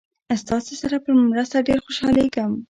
ستاسې سره په مرسته ډېر خوشحالیږم.